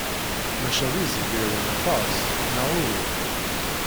Maca d izegrawen aṭas, neɣ uhu?